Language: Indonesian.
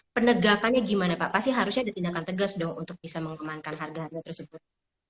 penegakannya gimana pak pasti harusnya ada tindakan tegas dong untuk bisa mengembangkan harga harga tersebut